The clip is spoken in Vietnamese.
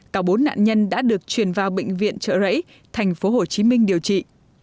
cả bốn nạn nhân đã được chuyển vào bệnh viện trợ rẫy thành phố hồ chí minh điều trị